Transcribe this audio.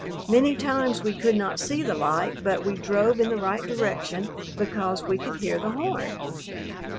Many times we could not see the light, but we drove in the right direction because we could hear the horn.